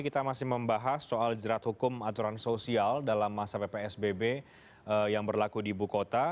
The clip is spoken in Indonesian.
kita masih membahas soal jerat hukum aturan sosial dalam masa ppsbb yang berlaku di ibu kota